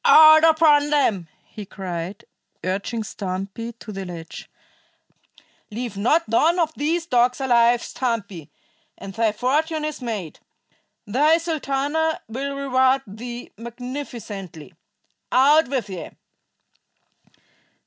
"Out upon them!" he cried, urging Stumpy to the ledge. "Leave not one of these dogs alive, Stumpy, and thy fortune is made. Thy Sultana will reward thee magnificently. Out with ye!"